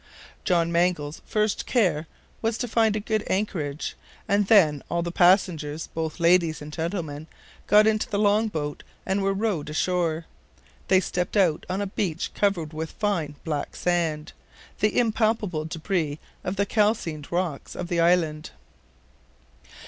John Mangle's first care was to find good anchorage, and then all the passengers, both ladies and gentlemen, got into the long boat and were rowed ashore. They stepped out on a beach covered with fine black sand, the impalpable DEBRIS of the calcined rocks of the island.